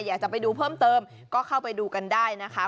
อยากจะไปดูเพิ่มเติมก็เข้าไปดูกันได้นะคะ